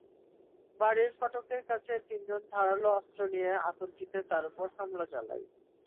বাড়ির ফটকের কাছে তিনজন ধারালো অস্ত্র নিয়ে অতর্কিতে তাঁর ওপর হামলা চালায়।